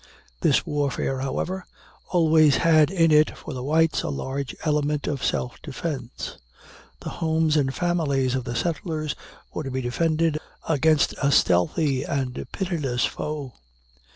This warfare, however, always had in it for the whites a large element of self defense the homes and families of the settlers were to be defended against a stealthy and pitiless foe.